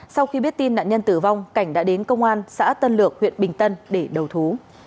sau khi biết tin nạn nhân tử vong cảnh đã đến công an xã tân lược huyện bình tân để đầu thú